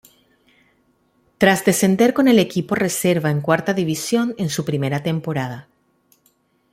Tras descender con el equipo reserva en cuarta división en su primera temporada.